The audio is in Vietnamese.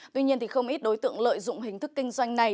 tuy nhiên thì không ít đối tượng lợi dụng hình thức kinh doanh này